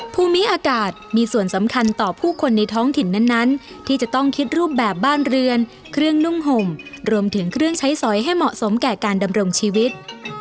ภูมิอากาศมีส่วนสำคัญต่อผู้คนในท้องถิ่นนั้นที่จะต้องคิดรูปแบบบ้านเรือนเครื่องนุ่งห่มรวมถึงเครื่องใช้สอยให้เหมาะสมแก่การดำรงชีวิต